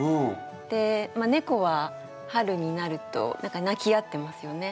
で猫は春になると何か鳴き合ってますよね。